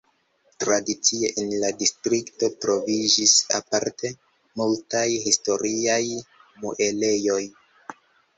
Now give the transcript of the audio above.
Tradicie en la distrikto troviĝis aparte multaj historiaj muelejoj.